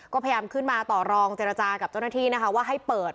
ก็พยายามขึ้นมาต่อรองเจรจากับเจ้าหน้าที่นะคะว่าให้เปิด